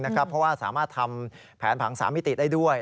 เพราะว่าสามารถทำแผนผัง๓มิติได้ด้วย